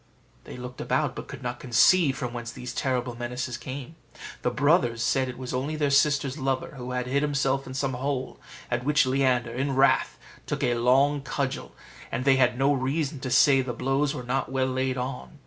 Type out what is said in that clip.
They looked about, but could not conceive from whence these terrible menaces came. The brothers said it was only their sister's lover, who had hid himself in some hole; at which Leander, in wrath, took a long cudgel, and they had no reason to say the blows were not well laid on.